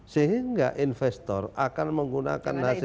sehingga investor akan memperbaiki